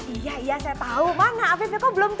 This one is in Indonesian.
iya iya saya tau mana apeben kau belum tuh